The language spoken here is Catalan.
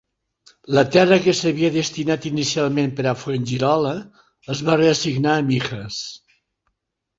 La terra que s'havia destinat inicialment per a Fuengirola es va reassignar a Mijas.